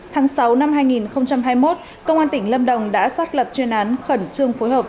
tháng sáu năm hai nghìn hai mươi một công an tỉnh lâm đồng đã xác lập chuyên án khẩn trương phối hợp